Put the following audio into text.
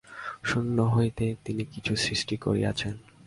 শূন্য হইতে তিনি কিছু সৃষ্টি করিয়াছেন।